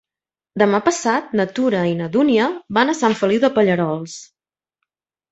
Demà passat na Tura i na Dúnia van a Sant Feliu de Pallerols.